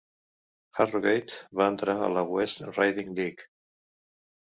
Harrogate van entrar a la West Riding League.